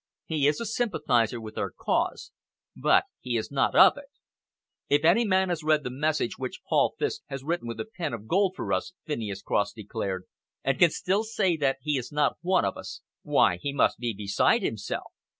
He is a sympathiser with our cause, but he is not of it." "If any man has read the message which Paul Fiske has written with a pen of gold for us," Phineas Cross declared, "and can still say that he is not one of us, why, he must be beside himself.